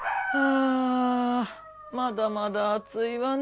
あまだまだ暑いわね。